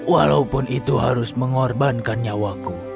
walaupun itu harus mengorbankan nyawaku